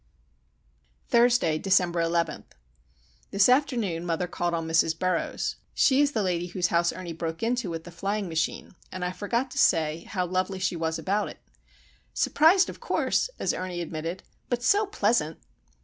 Thursday, December 11. This afternoon mother called on Mrs. Burroughs. She is the lady whose house Ernie broke into with the flying machine, and I forgot to say how lovely she was about it. "Surprised, of course," as Ernie admitted, "but so pleasant."